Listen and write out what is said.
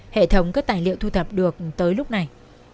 hệ thống các tài liệu thu thập được tới lúc này